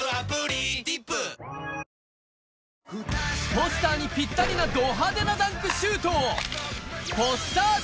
ポスターにピッタリなド派手なダンクシュート